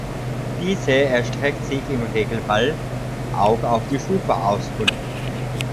Diese erstreckt sich im Regelfall auch auf die Schufa-Auskunft.